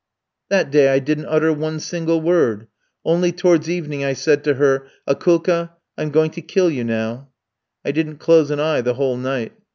"That day I didn't utter one single word. Only towards evening I said to her: 'Akoulka, I'm going to kill you now.' I didn't close an eye the whole night.